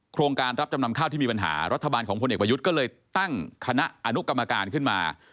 โครงการรับจำนำข้าวที่มีปัญหารัฐบาลของพลเอกประยุทธ์ก็เลยตั้งคณะอนุกรรมการขึ้นมา